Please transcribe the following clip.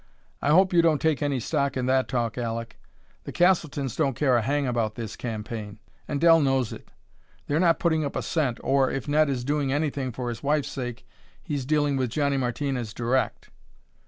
"I hope you don't take any stock in that talk, Aleck. The Castletons don't care a hang about this campaign, and Dell knows it. They're not putting up a cent, or, if Ned is doing anything for his wife's sake, he's dealing with Johnny Martinez direct."